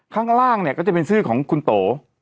ข้างล่างเนี่ยก็จะเป็นชื่อของคุณโต